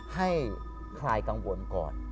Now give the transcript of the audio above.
ให้คลายกังวลก่อน